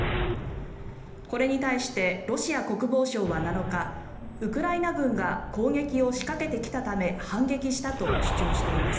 これに対してロシア国防省は７日ウクライナ軍が攻撃を仕掛けてきたため反撃したと主張しています。